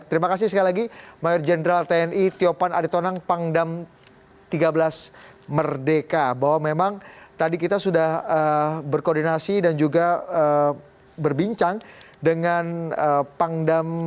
terima kasih sekali lagi mayor jenderal tni tiopan aritonang pangdam tiga belas merdeka bahwa memang tadi kita sudah berkoordinasi dan juga berbincang dengan pangdam